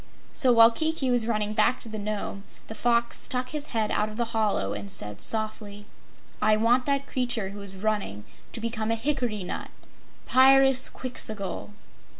So, while Kiki was running back to the Nome, the Fox stuck his head out of the hollow and said softly: "I want that creature who is running to become a hickory nut Pyrzqxgl!"